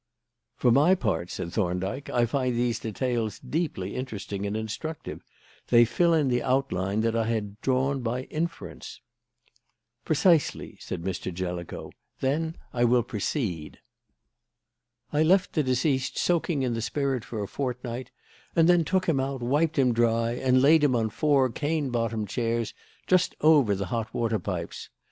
"For my part," said Thorndyke, "I find these details deeply interesting and instructive. They fill in the outline that I had drawn by inference." "Precisely," said Mr. Jellicoe; "then I will proceed. "I left the deceased soaking in the spirit for a fortnight and then took him out, wiped him dry, and laid him on four cane bottomed chairs just over the hot water pipes.